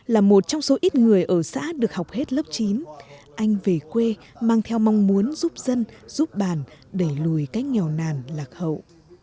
là một trong số ít người ở xã được học hết lớp chín anh về quê mang theo mong muốn giúp dân giúp bàn đẩy lùi cái nghèo nàn lạc hậu